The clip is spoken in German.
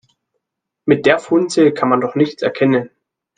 Mit der Funzel kann man doch nichts erkennen.